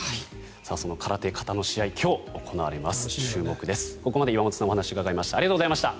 その空手形の試合は今日行われます。